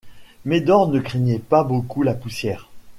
Médor ne craignait pas beaucoup la poussière.